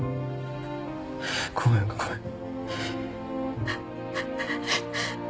ごめんごめん。